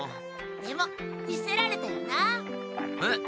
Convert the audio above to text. でも見せられたよな？へ？